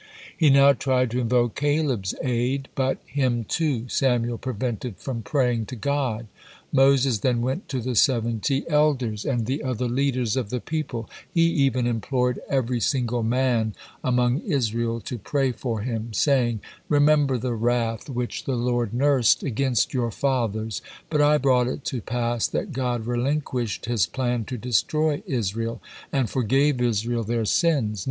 He now tried to invoke Caleb's aid, but him, too, Samael prevented from praying to God. Moses then went to the seventy elders and the other leaders of the people, he even implored every single man among Israel to pray for him, saying: "Remember the wrath which the Lord nursed against your fathers, but I brought it to pass that God relinquished His plan to destroy Israel, and forgave Israel their sins.